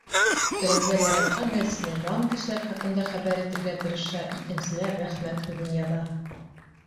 Берәүҙәр яратҡан гәзитенә дан кешеләр хаҡында хәбәр итергә тырышһа, икенселәр рәхмәт һүҙен яҙа.